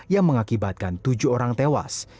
yang mengakibatkan tujuh orang tewas